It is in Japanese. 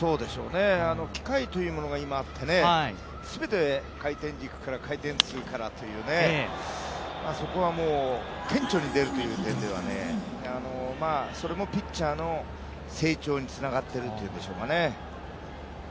機械というものが今あってね、全て回転軸から回転数から、そこはもう顕著に出るという点ではそれもピッチャーの成長につながってるというんでしょうかね。